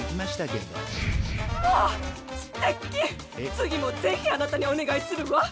次もぜひあなたにお願いするわ！